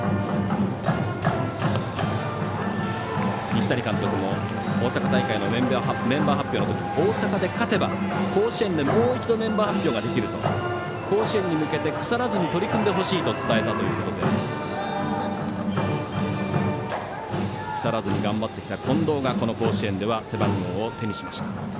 西谷監督も大阪大会のメンバー発表の時大阪で勝てば甲子園でもう一度メンバー発表ができると、甲子園に向けて腐らずに取り組んでほしいと伝えたということで腐らずに頑張ってきた近藤がこの甲子園では背番号を手にしました。